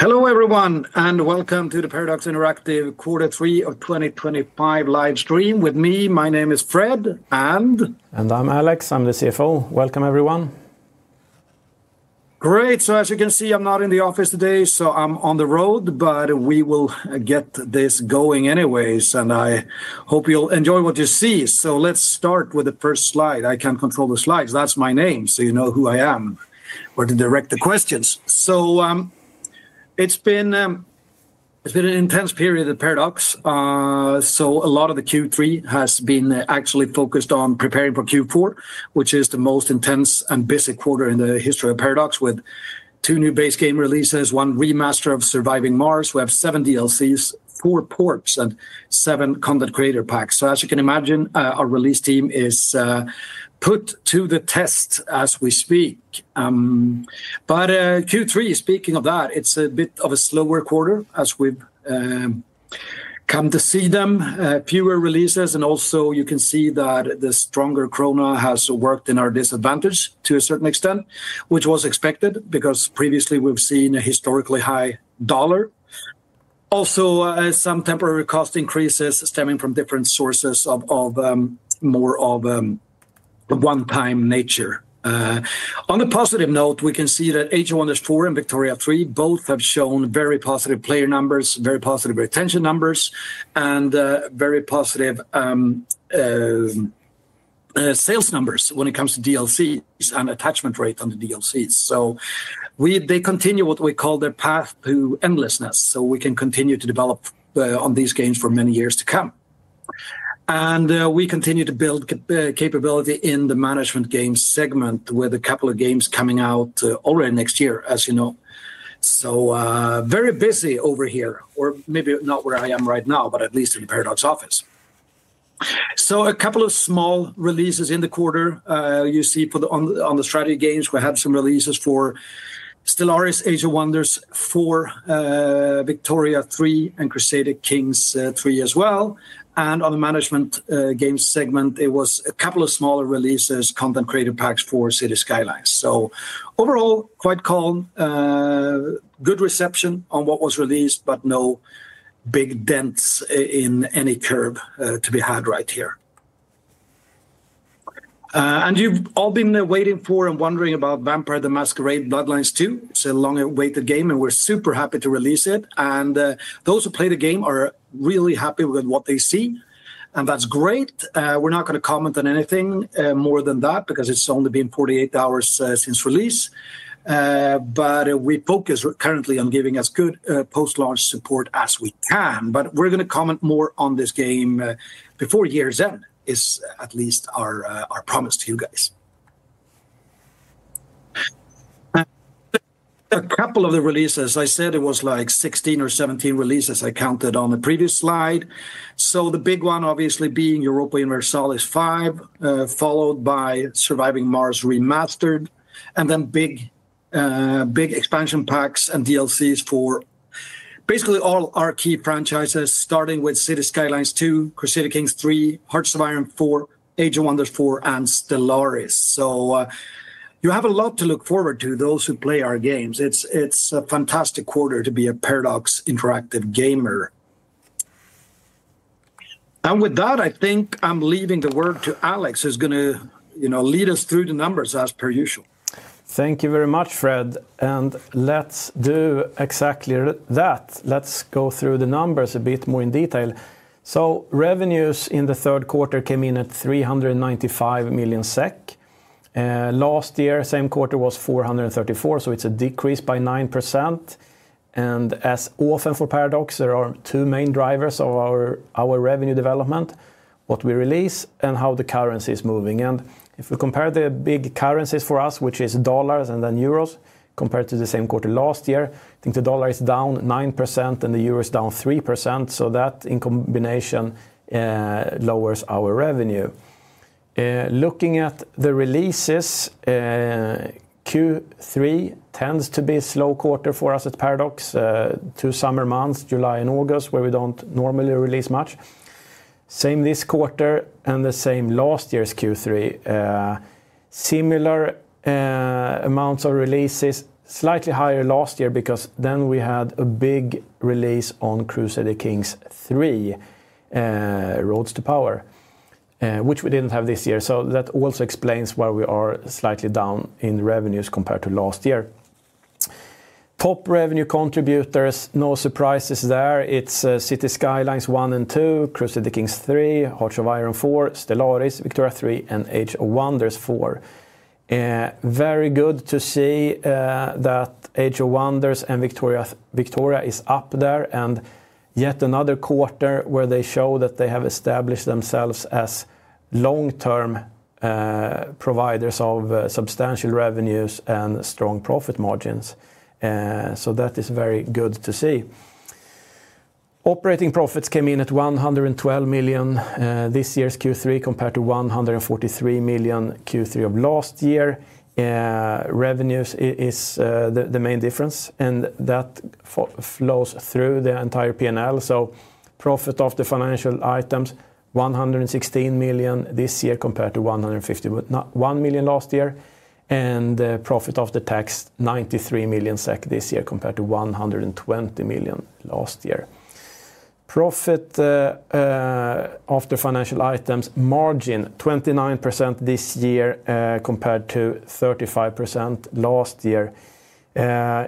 Hello everyone, and welcome to the Paradox Interactive quarter 3 of 2025 livestream with me. My name is Fred, and... I'm Alex, I'm the CFO. Welcome, everyone. Great. As you can see, I'm not in the office today, so I'm on the road, but we will get this going anyways, and I hope you'll enjoy what you see. Let's start with the first slide. I can control the slides. That's my name, so you know who I am, or to direct the questions. It's been an intense period at Paradox. A lot of the Q3 has been actually focused on preparing for Q4, which is the most intense and busy quarter in the history of Paradox Interactive, with two new base game releases, one remaster of Surviving Mars. We have seven DLCs, four ports, and seven content creator packs. As you can imagine, our release team is put to the test as we speak. Q3, speaking of that, is a bit of a slower quarter as we've come to see them, fewer releases, and also you can see that the stronger Krona has worked in our disadvantage to a certain extent, which was expected because previously we've seen a historically high dollar. Also, some temporary cost increases stemming from different sources of more of a one-time nature. On a positive note, we can see that Age of Wonders 4 and Victoria 3 both have shown very positive player numbers, very positive retention numbers, and very positive sales numbers when it comes to DLCs and attachment rate on the DLCs. They continue what we call their path to endlessness, so we can continue to develop on these games for many years to come. We continue to build capability in the management game segment with a couple of games coming out already next year, as you know. Very busy over here, or maybe not where I am right now, but at least in the Paradox Interactive office. A couple of small releases in the quarter. You see on the strategy games, we had some releases for Stellaris, Age of Wonders 4, Victoria 3, and Crusader Kings III as well. In the management game segment, it was a couple of smaller releases, content creator packs for Cities: Skylines. Overall, quite calm, good reception on what was released, but no big dents in any curve to be had right here. You've all been waiting for and wondering about Vampire: The Masquerade – Bloodlines 2. It's a long-awaited game, and we're super happy to release it. Those who play the game are really happy with what they see, and that's great. We're not going to comment on anything more than that because it's only been 48 hours since release. We focus currently on giving as good post-launch support as we can. We're going to comment more on this game before year's end, is at least our promise to you guys. A couple of the releases, I said it was like 16 or 17 releases I counted on the previous slide. The big one obviously being Europa Universalis 5, followed by Surviving Mars Remastered, and then big expansion packs and DLCs for basically all our key franchises, starting with Cities: Skylines II, Crusader Kings III, Hearts of Iron IV, Age of Wonders 4, and Stellaris. You have a lot to look forward to, those who play our games. It's a fantastic quarter to be a Paradox Interactive gamer. With that, I think I'm leaving the word to Alex, who's going to lead us through the numbers as per usual. Thank you very much, Fred. Let's do exactly that. Let's go through the numbers a bit more in detail. Revenues in the third quarter came in at 395 million SEK. Last year, same quarter was 434 million, so it's a decrease by 9%. As often for Paradox Interactive, there are two main drivers of our revenue development: what we release and how the currency is moving. If we compare the big currencies for us, which are dollars and then euros, compared to the same quarter last year, I think the dollar is down 9% and the euro is down 3%. That in combination lowers our revenue. Looking at the releases, Q3 tends to be a slow quarter for us at Paradox Interactive, two summer months, July and August, where we don't normally release much. Same this quarter and the same last year's Q3. Similar amounts of releases, slightly higher last year because then we had a big release on Crusader Kings III, Roads to Power, which we didn't have this year. That also explains why we are slightly down in revenues compared to last year. Top revenue contributors, no surprises there. It's Cities: Skylines, Cities: Skylines II, Crusader Kings III, Hearts of Iron IV, Stellaris, Victoria 3, and Age of Wonders 4. Very good to see that Age of Wonders and Victoria is up there, and yet another quarter where they show that they have established themselves as long-term providers of substantial revenues and strong profit margins. That is very good to see. Operating profits came in at 112 million this year's Q3 compared to 143 million Q3 of last year. Revenues is the main difference, and that flows through the entire P&L. Profit after financial items, 116 million this year compared to 151 million last year, and profit after tax 93 million SEK this year compared to 120 million last year. Profit after financial items, margin 29% this year compared to 35% last year.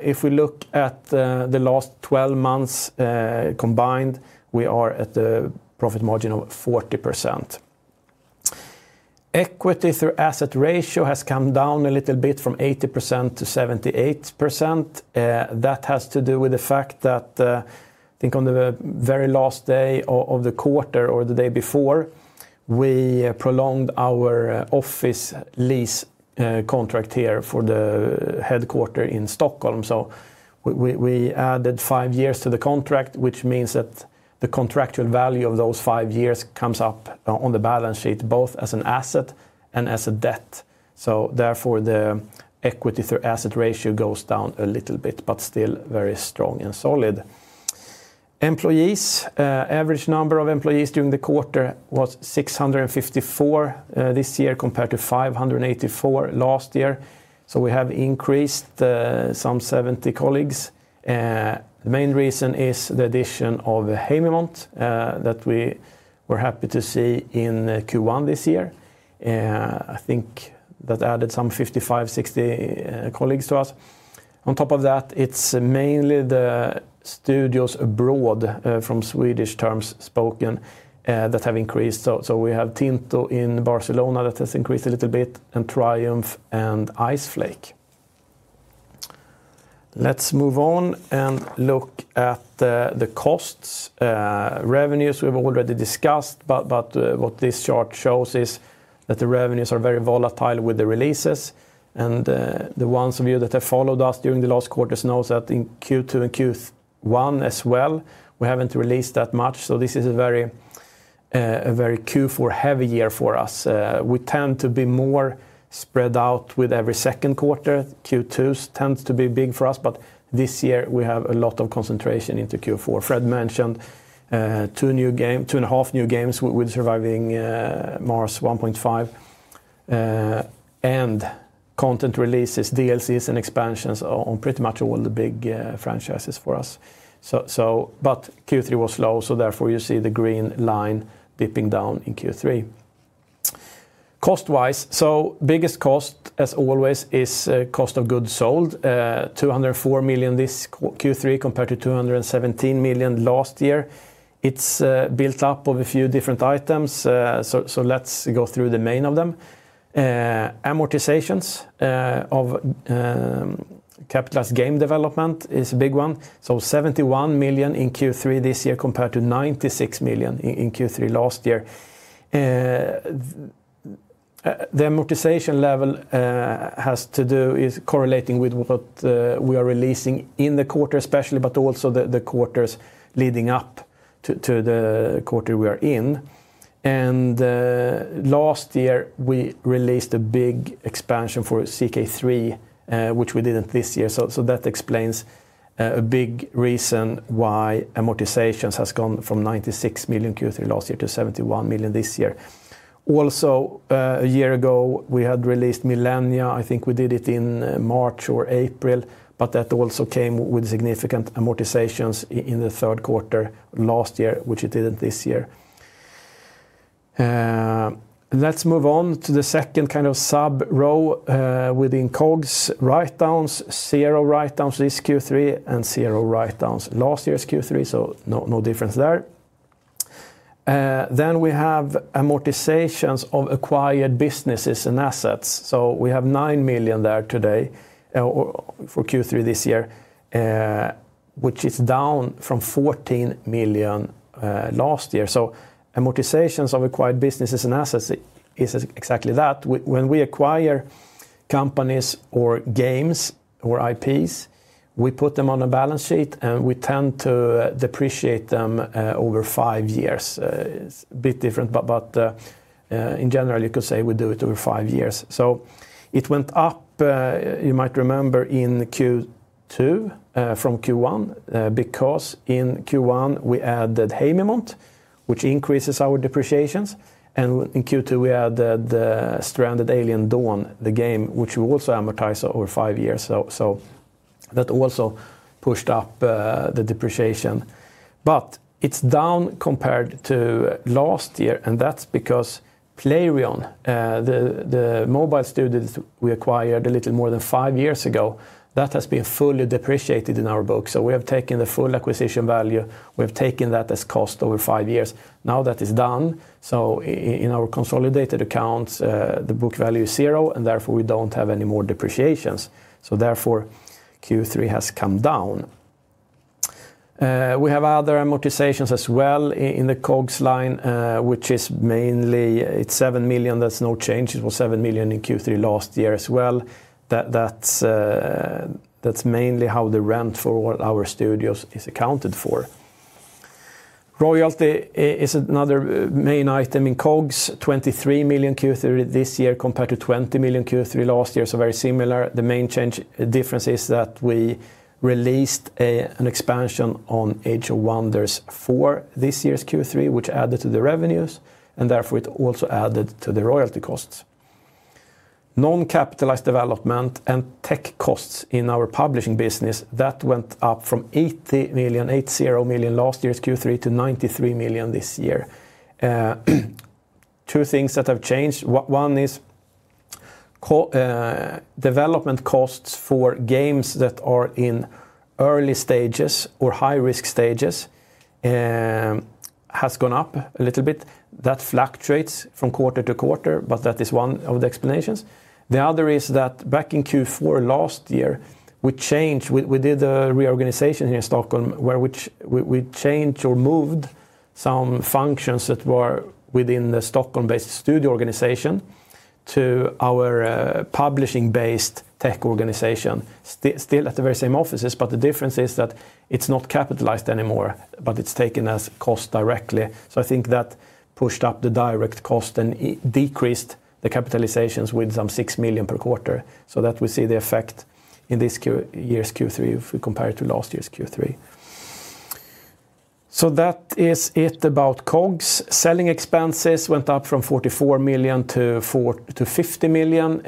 If we look at the last 12 months combined, we are at a profit margin of 40%. Equity through asset ratio has come down a little bit from 80%-78%. That has to do with the fact that I think on the very last day of the quarter or the day before, we prolonged our office lease contract here for the headquarter in Stockholm. We added five years to the contract, which means that the contractual value of those five years comes up on the balance sheet both as an asset and as a debt. Therefore, the equity through asset ratio goes down a little bit, but still very strong and solid. Employees, average number of employees during the quarter was 654 this year compared to 584 last year. We have increased some 70 colleagues. The main reason is the addition of Haemimont Games that we were happy to see in Q1 this year. I think that added some 55-60 colleagues to us. On top of that, it's mainly the studios abroad from Swedish terms spoken that have increased. We have Tinto in Barcelona that has increased a little bit, and Triumph and Iceflake. Let's move on and look at the costs. Revenues we've already discussed, but what this chart shows is that the revenues are very volatile with the releases. The ones of you that have followed us during the last quarters know that in Q2 and Q1 as well, we haven't released that much. This is a very Q4 heavy year for us. We tend to be more spread out with every second quarter. Q2 tends to be big for us, but this year we have a lot of concentration into Q4. Fredrik Wester mentioned two new games, two and a half new games with Surviving Mars 1.5, and content releases, DLCs, and expansions on pretty much all the big franchises for us. Q3 was slow, therefore you see the green line dipping down in Q3. Cost-wise, biggest cost as always is cost of goods sold. 204 million this Q3 compared to 217 million last year. It's built up of a few different items, so let's go through the main of them. Amortizations of capitalized game development is a big one. 71 million in Q3 this year compared to 96 million in Q3 last year. The amortization level has to do with correlating with what we are releasing in the quarter especially, but also the quarters leading up to the quarter we are in. Last year we released a big expansion for CK III, which we didn't this year. That explains a big reason why amortizations has gone from 96 million Q3 last year to 71 million this year. Also, a year ago we had released Millenia. I think we did it in March or April, but that also came with significant amortizations in the third quarter last year, which it didn't this year. Let's move on to the second kind of sub-row within COGS write-downs. Zero write-downs this Q3 and zero write-downs last year's Q3, so no difference there. We have amortizations of acquired businesses and assets. We have 9 million there today for Q3 this year, which is down from 14 million last year. Amortizations of acquired businesses and assets is exactly that. When we acquire companies or games or IPs, we put them on a balance sheet and we tend to depreciate them over five years. It's a bit different, but in general you could say we do it over five years. It went up, you might remember, in Q2 from Q1 because in Q1 we added Haemimont Games, which increases our depreciations, and in Q2 we added Stranded: Alien Dawn, the game, which we also amortized over five years. That also pushed up the depreciation. It is down compared to last year, and that's because Playrion, the mobile studio that we acquired a little more than five years ago, has been fully depreciated in our books. We have taken the full acquisition value, we have taken that as cost over five years. Now that is done, in our consolidated accounts, the book value is zero, and therefore we don't have any more depreciations. Therefore, Q3 has come down. We have other amortizations as well in the COGS line, which is mainly 7 million. That's no change. It was 7 million in Q3 last year as well. That's mainly how the rent for our studios is accounted for. Royalty is another main item in COGS. 23 million Q3 this year compared to 20 million Q3 last year, so very similar. The main change difference is that we released an expansion on Age of Wonders 4 this year's Q3, which added to the revenues, and therefore it also added to the royalty costs. Non-capitalized development and tech costs in our publishing business went up from 80 million last year's Q3 to 93 million this year. Two things have changed. One is development costs for games that are in early stages or high-risk stages have gone up a little bit. That fluctuates from quarter to quarter, but that is one of the explanations. The other is that back in Q4 last year, we did a reorganization here in Stockholm, where we changed or moved some functions that were within the Stockholm-based studio organization to our publishing-based tech organization, still at the very same offices, but the difference is that it's not capitalized anymore, but it's taken as cost directly. I think that pushed up the direct cost and decreased the capitalizations with some 6 million per quarter, so we see the effect in this year's Q3 if we compare it to last year's Q3. That is it about COGS. Selling expenses went up from 44 million-50 million.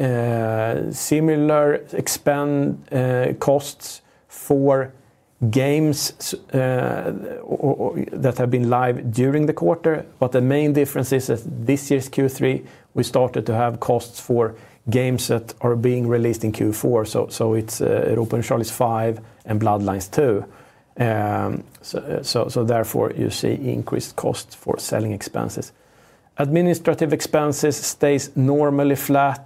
Similar expense costs for games that have been live during the quarter, but the main difference is that this year's Q3, we started to have costs for games that are being released in Q4. It's Europa Nostralis 5 and Vampire: The Masquerade – Bloodlines 2. Therefore, you see increased costs for selling expenses. Administrative expenses stay normally flat,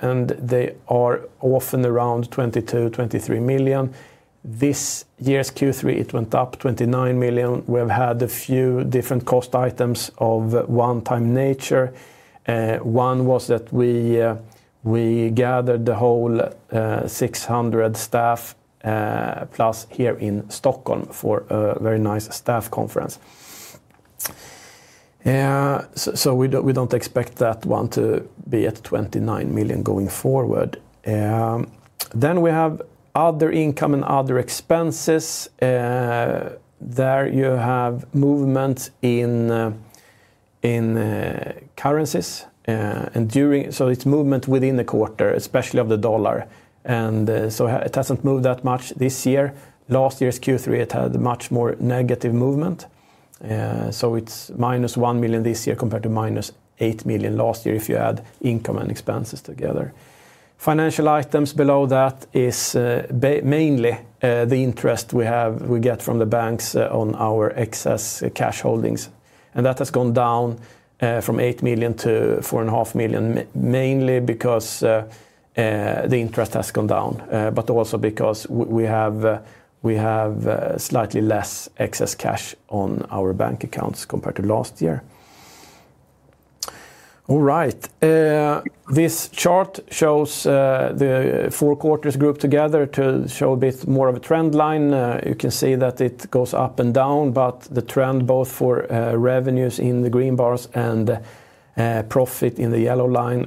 and they are often around 22 million- 23 million. This year's Q3, it went up to 29 million. We have had a few different cost items of one-time nature. One was that we gathered the whole 600 staff plus here in Stockholm for a very nice staff conference. We don't expect that one to be at 29 million going forward. We have other income and other expenses. There you have movement in currencies. It's movement within the quarter, especially of the dollar. It hasn't moved that much this year. Last year's Q3, it had much more negative movement. It's -1 million this year compared to -8 million last year if you add income and expenses together. Financial items below that is mainly the interest we get from the banks on our excess cash holdings. That has gone down from 8 million-4.5 million, mainly because the interest has gone down, but also because we have slightly less excess cash on our bank accounts compared to last year. All right. This chart shows the four quarters grouped together to show a bit more of a trend line. You can see that it goes up and down, but the trend both for revenues in the green bars and the profit in the yellow line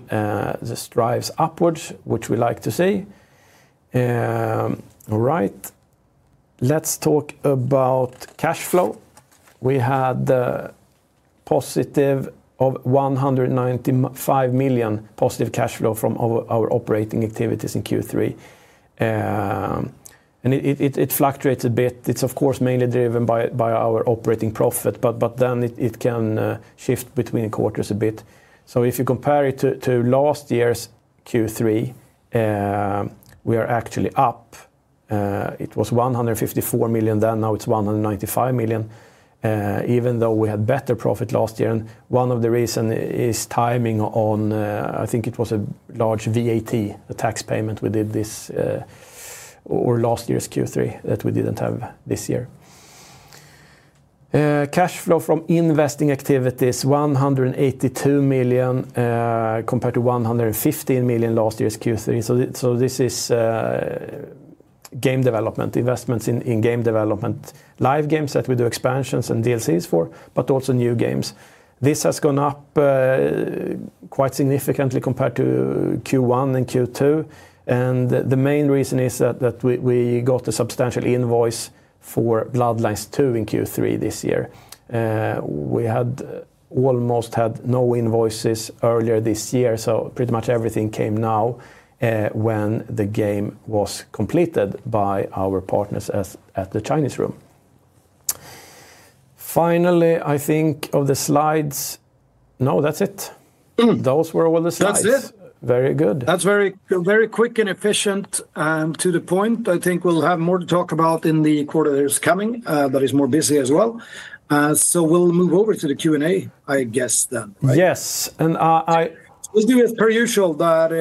drives upwards, which we like to see. All right. Let's talk about cash flow. We had positive 195 million positive cash flow from our operating activities in Q3. It fluctuates a bit. It's, of course, mainly driven by our operating profit, but then it can shift between quarters a bit. If you compare it to last year's Q3, we are actually up. It was 154 million then, now it's 195 million, even though we had better profit last year. One of the reasons is timing on, I think it was a large VAT, a tax payment we did this or last year's Q3 that we didn't have this year. Cash flow from investing activities, 182 million compared to 115 million last year's Q3. This is game development, investments in game development, live games that we do expansions and DLCs for, but also new games. This has gone up quite significantly compared to Q1 and Q2. The main reason is that we got a substantial invoice for Vampire: The Masquerade – Bloodlines 2 in Q3 this year. We had almost no invoices earlier this year, so pretty much everything came now when the game was completed by our partners at The Chinese Room. Finally, I think of the slides. No, that's it. Those were all the slides. That's it. Very good. That's very quick and efficient and to the point. I think we'll have more to talk about in the quarter that is coming, that is more busy as well. We'll move over to the Q&A, I guess then. Yes. We'll do it per usual, that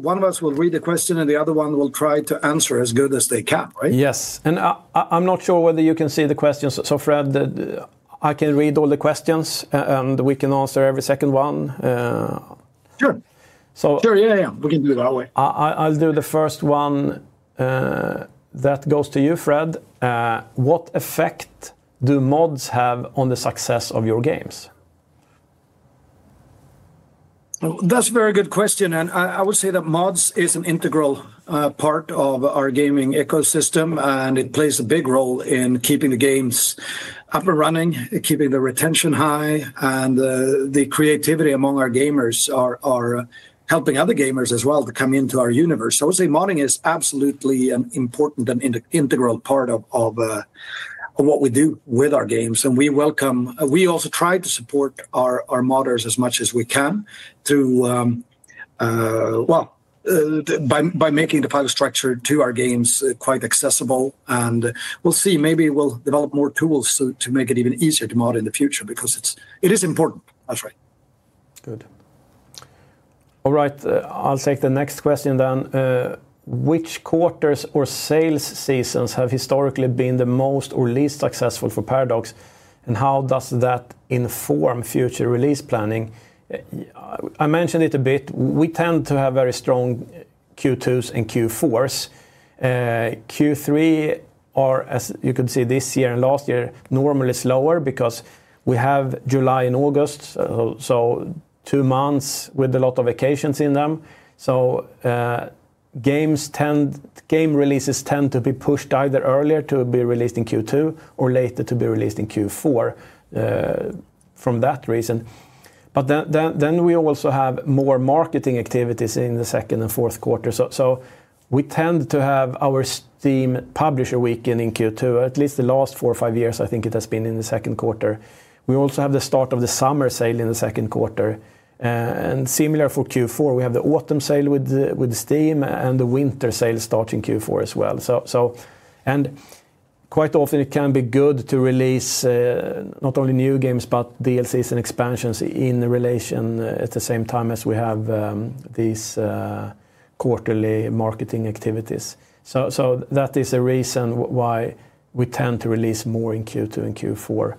one of us will read the question and the other one will try to answer as good as they can, right? Yes. I'm not sure whether you can see the questions. Fred, I can read all the questions and we can answer every second one. Sure. So. Sure, yeah, we can do it that way. I'll do the first one. That goes to you, Fredrik. What effect do mods have on the success of your games? That's a very good question. I would say that mods are an integral part of our gaming ecosystem, and it plays a big role in keeping the games up and running, keeping the retention high, and the creativity among our gamers helping other gamers as well to come into our universe. I would say modding is absolutely an important and integral part of what we do with our games. We also try to support our modders as much as we can by making the file structure to our games quite accessible. We'll see, maybe we'll develop more tools to make it even easier to mod in the future because it is important. That's right. Good. All right. I'll take the next question then. Which quarters or sales seasons have historically been the most or least successful for Paradox, and how does that inform future release planning? I mentioned it a bit. We tend to have very strong Q2s and Q4s. Q3, as you could see this year and last year, is normally slower because we have July and August, so two months with a lot of vacations in them. Games, game releases tend to be pushed either earlier to be released in Q2 or later to be released in Q4 for that reason. We also have more marketing activities in the second and fourth quarters. We tend to have our Steam Publisher Weekend in Q2. At least the last four or five years, I think it has been in the second quarter. We also have the start of the summer sale in the second quarter. Similar for Q4, we have the autumn sale with Steam, and the winter sale starts in Q4 as well. Quite often it can be good to release not only new games, but DLCs and expansions in relation at the same time as we have these quarterly marketing activities. That is a reason why we tend to release more in Q2 and Q4.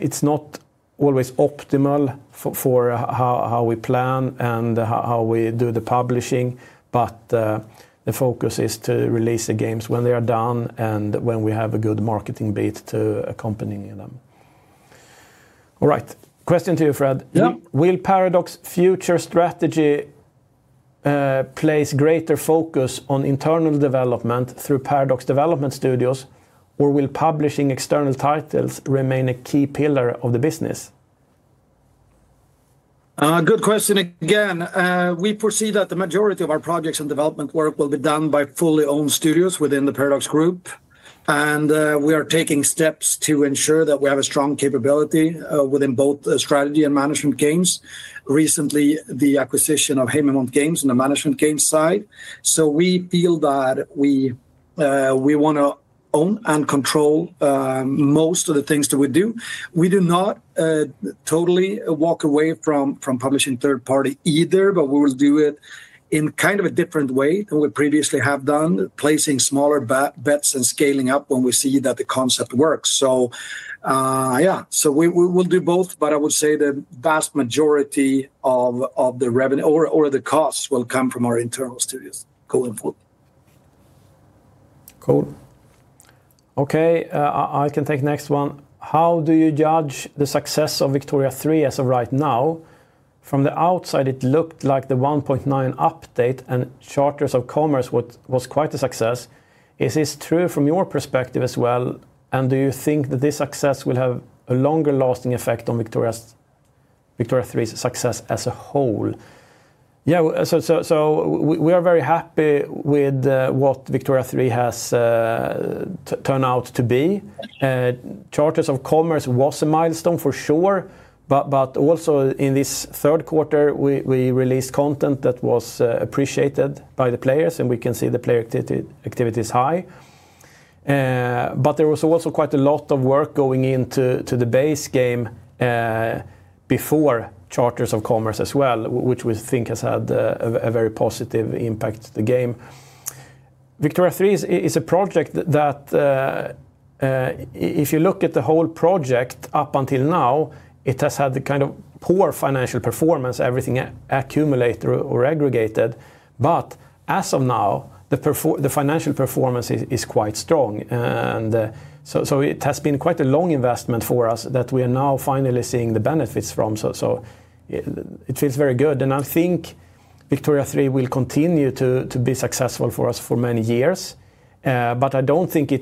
It's not always optimal for how we plan and how we do the publishing, but the focus is to release the games when they are done and when we have a good marketing beat to accompany them. All right. Question to you, Fred. Will Paradox's future strategy place greater focus on internal development through Paradox Development Studio, or will publishing external titles remain a key pillar of the business? Good question again. We perceive that the majority of our projects and development work will be done by fully owned studios within the Paradox Group. We are taking steps to ensure that we have a strong capability within both strategy and management games. Recently, the acquisition of Haemimont Games on the management games side. We feel that we want to own and control most of the things that we do. We do not totally walk away from publishing third-party either, but we will do it in kind of a different way than we previously have done, placing smaller bets and scaling up when we see that the concept works. We will do both, but I would say the vast majority of the revenue or the costs will come from our internal studios. Cool. Okay, I can take the next one. How do you judge the success of Victoria 3 as of right now? From the outside, it looked like the 1.9 update and Charters of Commerce was quite a success. Is this true from your perspective as well, and do you think that this success will have a longer-lasting effect on Victoria 3's success as a whole? Yeah, we are very happy with what Victoria 3 has turned out to be. Charters of Commerce was a milestone for sure, but also in this third quarter, we released content that was appreciated by the players, and we can see the player activity is high. There was also quite a lot of work going into the base game before Charters of Commerce as well, which we think has had a very positive impact on the game. Victoria 3 is a project that if you look at the whole project up until now, it has had kind of poor financial performance, everything accumulated or aggregated. As of now, the financial performance is quite strong. It has been quite a long investment for us that we are now finally seeing the benefits from. It feels very good, and I think Victoria 3 will continue to be successful for us for many years. I don't think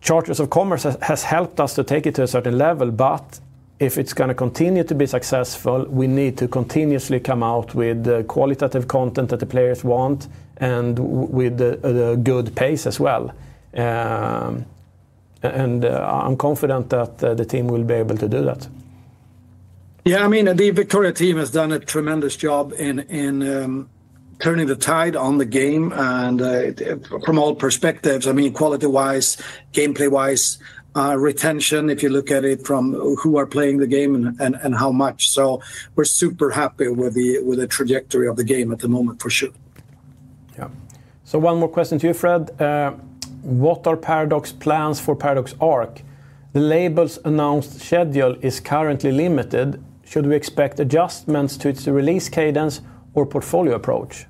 Charters of Commerce has helped us to take it to a certain level, but if it's going to continue to be successful, we need to continuously come out with qualitative content that the players want and with a good pace as well. I'm confident that the team will be able to do that. Yeah, I mean, the Victoria 3 team has done a tremendous job in turning the tide on the game. From all perspectives, I mean, quality-wise, gameplay-wise, retention, if you look at it from who are playing the game and how much. We're super happy with the trajectory of the game at the moment for sure. Yeah. One more question to you, Fred. What are Paradox plans for Paradox Arc? The label's announced schedule is currently limited. Should we expect adjustments to its release cadence or portfolio approach?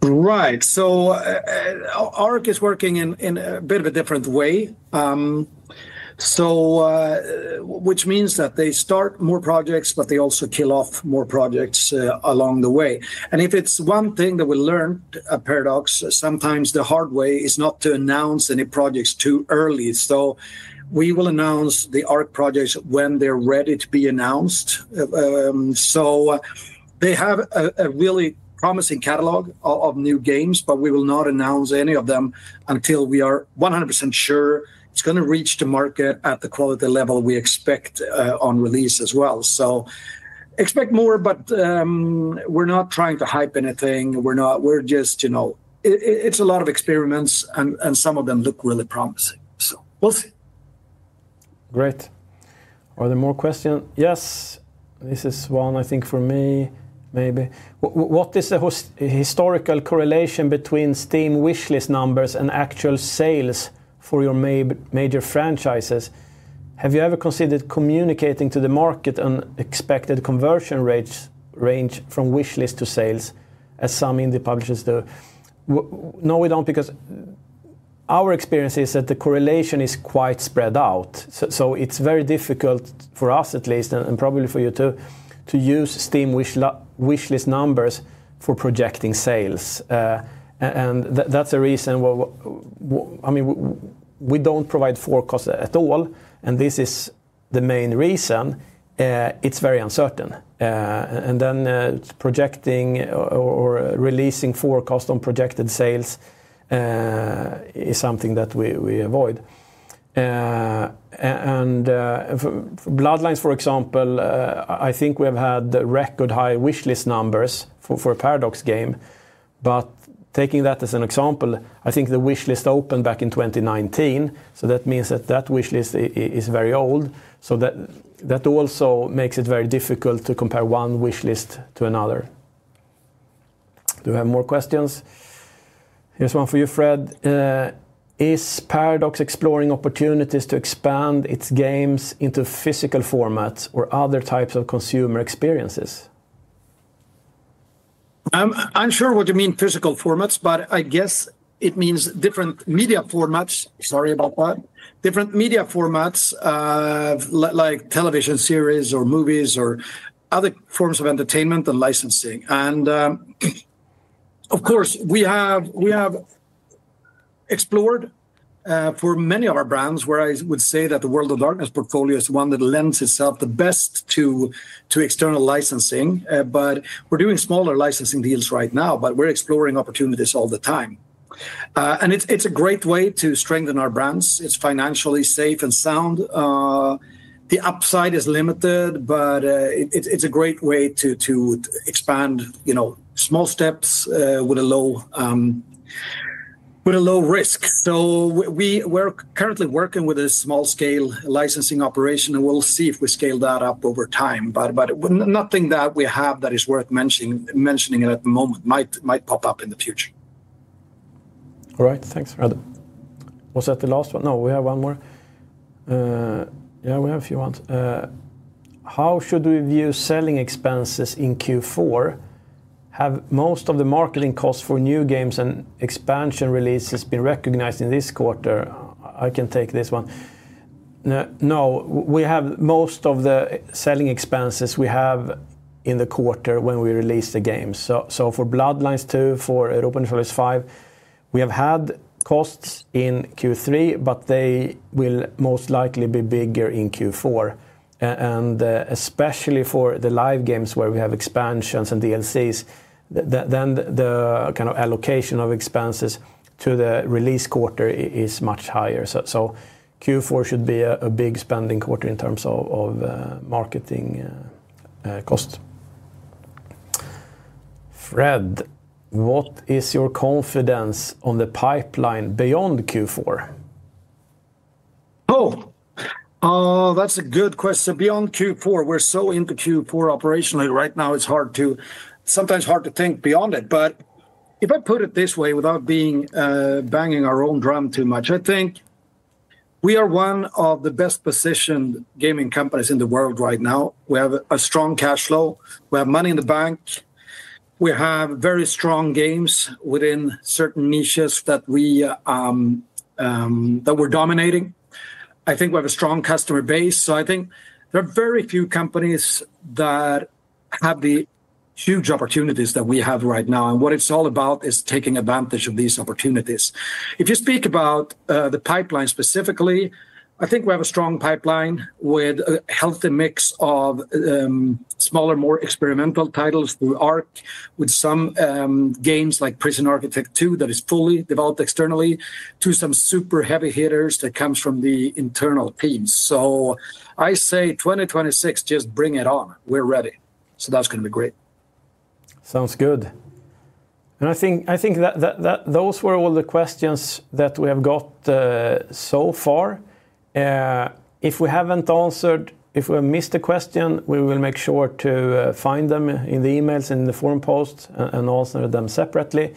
Right. Arc is working in a bit of a different way, which means that they start more projects, but they also kill off more projects along the way. If it's one thing that we learned at Paradox Interactive, sometimes the hard way, it's not to announce any projects too early. We will announce the Arc projects when they're ready to be announced. They have a really promising catalog of new games, but we will not announce any of them until we are 100% sure it's going to reach the market at the quality level we expect on release as well. Expect more, but we're not trying to hype anything. It's a lot of experiments, and some of them look really promising. We'll see. Great. Are there more questions? Yes, this is one, I think, for me, maybe. What is the historical correlation between Steam wishlist numbers and actual sales for your major franchises? Have you ever considered communicating to the market an expected conversion range from wishlist to sales, as some indie publishers do? No, we don't, because our experience is that the correlation is quite spread out. It's very difficult for us, at least, and probably for you too, to use Steam wishlist numbers for projecting sales. That's a reason we don't provide forecasts at all, and this is the main reason. It's very uncertain. Projecting or releasing forecasts on projected sales is something that we avoid. For Vampire: The Masquerade – Bloodlines 2, for example, I think we have had record high wishlist numbers for a Paradox Interactive game. Taking that as an example, I think the wishlist opened back in 2019. That means that wishlist is very old. That also makes it very difficult to compare one wishlist to another. Do we have more questions? Here's one for you, Fred. Is Paradox exploring opportunities to expand its games into physical formats or other types of consumer experiences? I'm unsure what you mean by physical formats, but I guess it means different media formats. Sorry about that. Different media formats, like television series, movies, or other forms of entertainment and licensing. Of course, we have explored for many of our brands where I would say that the World of Darkness portfolio is the one that lends itself the best to external licensing. We're doing smaller licensing deals right now, and we're exploring opportunities all the time. It's a great way to strengthen our brands. It's financially safe and sound. The upside is limited, but it's a great way to expand in small steps with a low risk. We're currently working with a small-scale licensing operation, and we'll see if we scale that up over time. Nothing that we have is worth mentioning at the moment, but something might pop up in the future. All right. Thanks, Fred. Was that the last one? No, we have one more. Yeah, we have a few ones. How should we view selling expenses in Q4? Have most of the marketing costs for new games and expansion releases been recognized in this quarter? I can take this one. No, we have most of the selling expenses we have in the quarter when we release the games. For Vampire: The Masquerade – Bloodlines 2, for Europa Universalis 5, we have had costs in Q3, but they will most likely be bigger in Q4. Especially for the live games where we have expansions and DLCs, the kind of allocation of expenses to the release quarter is much higher. Q4 should be a big spending quarter in terms of marketing costs. Fred, what is your confidence on the pipeline beyond Q4? Oh, that's a good question. Beyond Q4, we're so into Q4 operationally right now, it's hard to, sometimes hard to think beyond it. If I put it this way, without banging our own drum too much, I think we are one of the best positioned gaming companies in the world right now. We have a strong cash flow, we have money in the bank, we have very strong games within certain niches that we're dominating. I think we have a strong customer base. I think there are very few companies that have the huge opportunities that we have right now. What it's all about is taking advantage of these opportunities. If you speak about the pipeline specifically, I think we have a strong pipeline with a healthy mix of smaller, more experimental titles through Arc, with some games like Prison Architect 2 that is fully developed externally, to some super heavy hitters that come from the internal teams. I say 2026, just bring it on. We're ready. That's going to be great. Sounds good. I think that those were all the questions that we have got so far. If we haven't answered, if we have missed a question, we will make sure to find them in the emails and in the forum posts and answer them separately.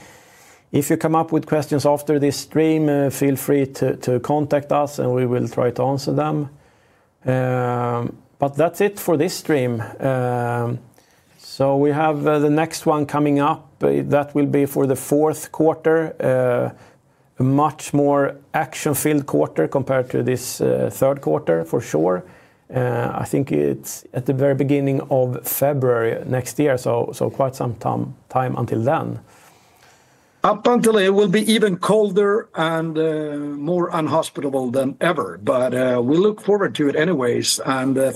If you come up with questions after this stream, feel free to contact us and we will try to answer them. That's it for this stream. We have the next one coming up. That will be for the fourth quarter, a much more action-filled quarter compared to this third quarter for sure. I think it's at the very beginning of February next year, so quite some time until then. Up until then, it will be even colder and more unhospitable than ever. We look forward to it anyways.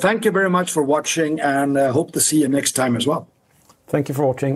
Thank you very much for watching, and I hope to see you next time as well. Thank you for watching.